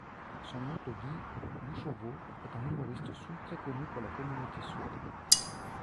Son oncle Guy Bouchauveau est un humoriste sourd très connu pour la communauté sourde.